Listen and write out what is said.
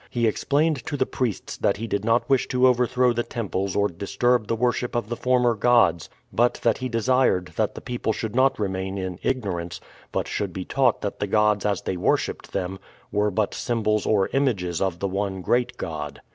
He explained to the priests that he did not wish to overthrow the temples or disturb the worship of the former gods, but that he desired that the people should not remain in ignorance, but should be taught that the gods as they worshiped them were but symbols or images of the one great God.